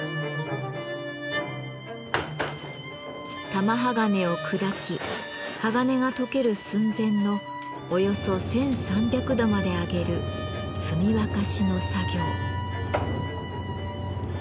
玉鋼を砕き鋼が溶ける寸前のおよそ１，３００度まで上げる「積沸し」の作業。